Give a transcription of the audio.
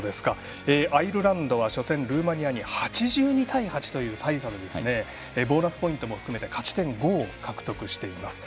アイルランドは初戦ルーマニアに８２対８という大差でボーナスポイントも含めて勝ち点５を獲得しています。